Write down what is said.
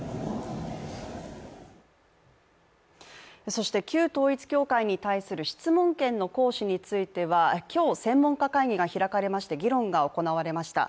そして旧統一教会に対する質問権の行使については今日、専門家会議が開かれまして議論が行われました。